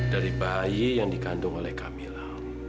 dari bayi yang dikandung oleh camilla